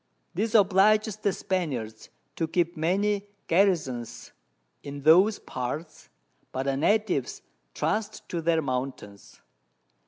This obliges the Spaniards to keep many Garrisons in those Parts, but the Natives trust to their Mountains.